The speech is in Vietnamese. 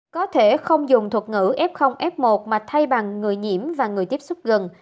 có thể không dùng thuật ngữ f f một mà thay bằng người nhiễm và người tiếp xúc gần